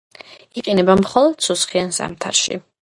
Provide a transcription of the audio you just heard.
იყინება მხოლოდ სუსხიან ზამთარში.